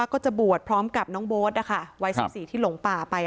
ก็จะบวชพร้อมกับน้องโบ๊ทนะคะวัย๑๔ที่หลงป่าไป